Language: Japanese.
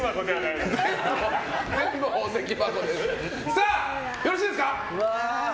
さあ、よろしいですか？